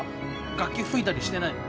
楽器吹いたりしてないの？